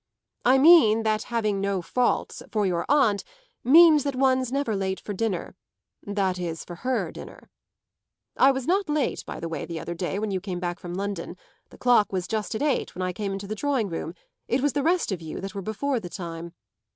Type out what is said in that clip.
I mean that having no faults, for your aunt, means that one's never late for dinner that is for her dinner. I was not late, by the way, the other day, when you came back from London; the clock was just at eight when I came into the drawing room: it was the rest of you that were before the time.